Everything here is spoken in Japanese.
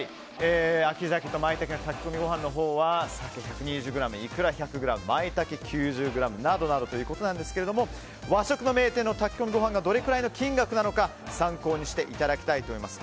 炊き込みご飯のほうはサケ１２０ｇ、いくら１００ｇマイタケ９０ｇなどなどということですが和食の名店の炊き込みご飯がどのくらいの金額なのか参考にしていただきたいと思います。